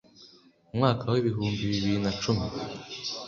Umwaka w ibihumbi bibiri na cumi